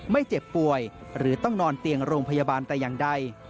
เจ็บป่วยหรือต้องนอนเตียงโรงพยาบาลแต่อย่างใด